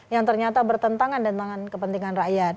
yang ternyata bertentangan dengan tangan kepentingan rakyat